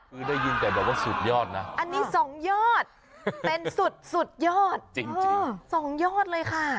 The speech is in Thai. คือได้ยินแต่แบบว่าสุดยอดนะอันนี้๒ยอดเป็นสุดสุดยอดจริง๒ยอดเลยค่ะ